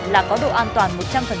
là có độ an toàn một trăm linh